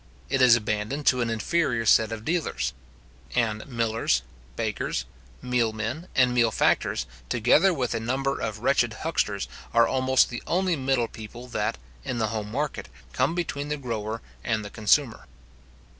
It is abandoned to an inferior set of dealers; and millers, bakers, meal men, and meal factors, together with a number of wretched hucksters, are almost the only middle people that, in the home market, come between the grower and the consumer.